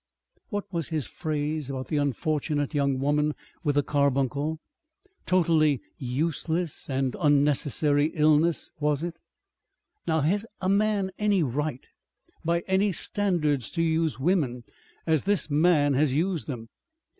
"What was his phrase about the unfortunate young woman with the carbuncle?... 'Totally Useless and unnecessary illness,' was it?... "Now has a man any right by any standards to use women as this man has used them?